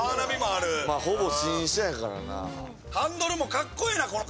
ほぼ新車やからな。